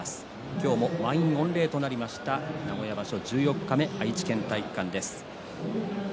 今日も満員御礼となりました名古屋場所、十四日目愛知県体育館です。